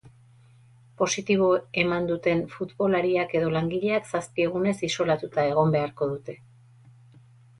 Positibo eman duten futbolariak edo langileak zazpi egunez isolatuta egon beharko dute.